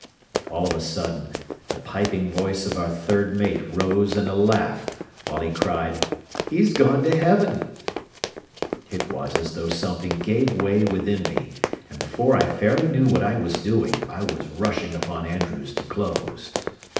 All of a sudden the piping voice of our third mate rose in a laugh, while he cried, "He's gone to heaven." It was as though something gave away within me, and before I fairly knew what I was doing, I was rushing upon Andrews to close.